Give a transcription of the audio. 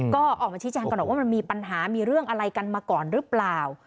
ก็ออกมาชี้แจงกันหน่อยว่ามันมีปัญหามีเรื่องอะไรกันมาก่อนหรือเปล่า